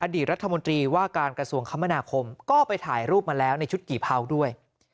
ดีรัฐมนตรีว่าการกระทรวงคมนาคมก็ไปถ่ายรูปมาแล้วในชุดกี่เผาด้วย